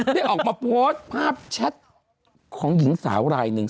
ได้ออกมาโพสต์ภาพแชทของหญิงสาวรายหนึ่ง